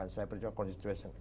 saya perjuangkan konstitusi saya